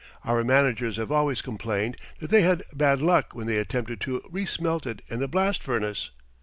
Our managers have always complained that they had bad luck when they attempted to remelt it in the blast furnace."